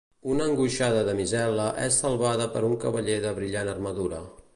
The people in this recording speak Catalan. Una angoixada damisel·la és salvada per un cavaller de brillant armadura.